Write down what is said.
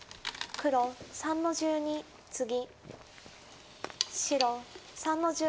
黒２の十九ツギ。